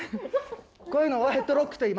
こういうのを「ヘッドロック」といいます。